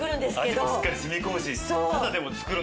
味もしっかり染み込むし。